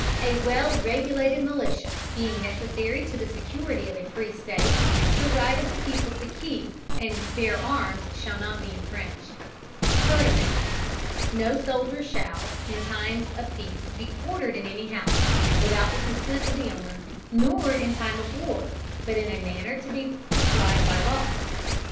A well regulated Militia, being necessary to the security of a free State, the right of the people to keep and bear Arms, shall not be infringed. III. No Soldier shall, in time of peace be quartered in any house, without the consent of the Owner, nor in time of war, but in a manner to be prescribed by law.